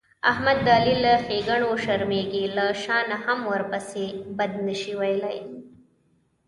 احمد د علي له ښېګڼونه شرمېږي، له شا نه هم ورپسې بد نشي ویلای.